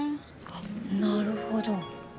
なるほど。